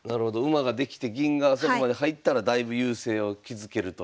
馬ができて銀があそこまで入ったらだいぶ優勢を築けると。